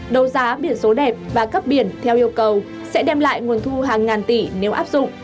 đấu giá biển số đẹp và cấp biển theo yêu cầu sẽ đem lại nguồn thu hàng ngàn tỷ nếu áp dụng